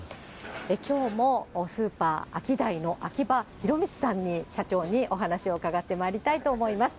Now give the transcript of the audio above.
きょうもスーパーアキダイの秋葉弘道さんに、社長に、お話を伺ってまいりたいと思います。